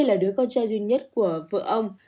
anh d là đứa con trai duy nhất của vợ ông